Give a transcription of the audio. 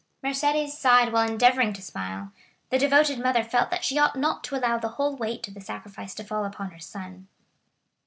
Mercédès sighed while endeavoring to smile; the devoted mother felt that she ought not to allow the whole weight of the sacrifice to fall upon her son.